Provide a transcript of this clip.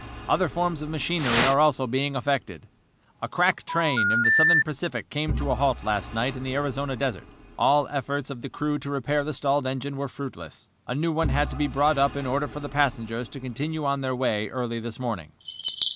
Other forms of machinery are also being affected. A crack train of the Southern Pacific came to a halt last night in the Arizona desert. All efforts of the crew to repair the stalled engine were fruitless. A new one had to be brought up in order for the passengers to continue on their way early this morning.